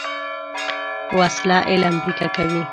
وسله علم پیکه کوي